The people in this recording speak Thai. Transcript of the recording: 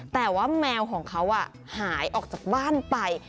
แต่ว่าแมวของเขาหายออกจากบ้านไป